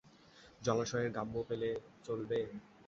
জলাশয়ের গাম্বো পেলে চলবে?